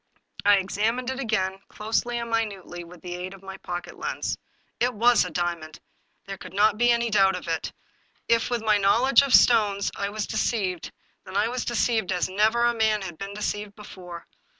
I examined it again, closely and minutely, with the aid of my pocket lens. It was a diamond ; there could not be a doubt of it. If, with my knowledge of stones, I was de ceived, then I was deceived as never man had been deceived before.